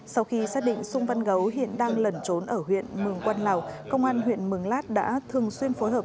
sau khi xác định sung văn gấu hiện đang lẩn trốn ở huyện mường quân lào công an huyện mường lát đã thường xuyên phối hợp